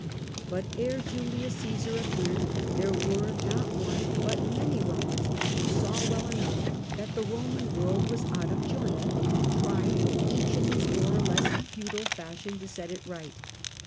But ere Julius Caesar appeared there were not one but many Eomans who saw well enough that the Roman world was out of joint, and tried, each in his more or less futile fashion, to set it right.